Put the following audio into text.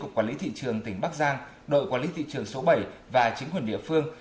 cục quản lý thị trường tỉnh bắc giang đội quản lý thị trường số bảy và chính quyền địa phương